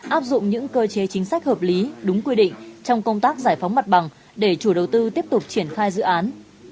áp dụng những cơ chế chính sách hợp lý đúng quy định trong công tác giải phóng mặt bằng để chủ đầu tư tiếp tục triển khai dự án